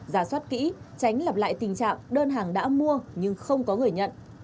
giả soát kỹ tránh lặp lại tình trạng đơn hàng đã mua nhưng không có người nhận